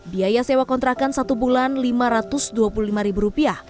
biaya sewa kontrakan satu bulan rp lima ratus dua puluh lima